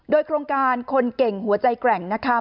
โดยโครงการคนเก่งหัวใจแกร่งนะคะ